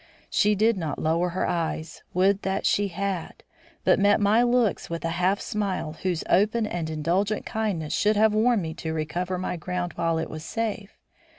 She did not lower her eyes; would that she had! but met my looks with a half smile whose open and indulgent kindness should have warned me to recover my ground while it was safe.